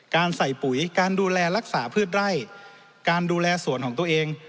การใส่ปุ๋ยการดูแลรักษาพืชไร่การดูแลสวนของตัวเอง